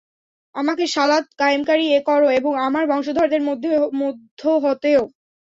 আমাকে সালাত কায়েমকারী কর এবং আমার বংশধরদের মধ্য হতেও।